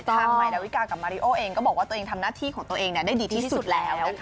ใหม่ดาวิกากับมาริโอเองก็บอกว่าตัวเองทำหน้าที่ของตัวเองได้ดีที่สุดแล้ว